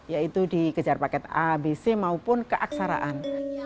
yaitu dikejar paket a b c maupun keaksaraan